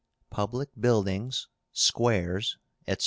PUBLIC BUILDINGS, SQUARES, ETC.